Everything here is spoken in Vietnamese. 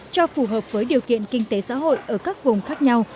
cho phù hợp với điều kiện kinh tế xã hội ở các vùng khác nhau